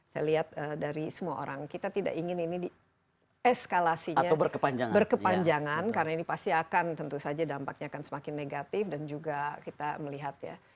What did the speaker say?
saya lihat dari semua orang kita tidak ingin ini eskalasinya berkepanjangan karena ini pasti akan tentu saja dampaknya akan semakin negatif dan juga kita melihat ya